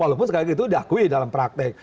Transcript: walaupun sekali lagi itu diakui dalam praktek